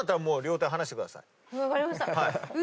分かりました。